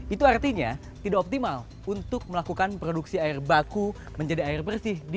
itu artinya tidak optimal untuk melakukan produksi air baku menjadi air bersih